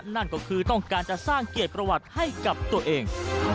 นั่นก็คือต้องการจะสร้างเกียรติประวัติให้กับตัวเอง